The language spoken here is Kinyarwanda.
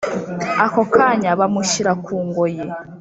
ako kanya bamushyira kungoyi!